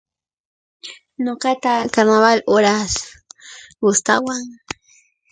Nuqata, Carnaval uras gustawan.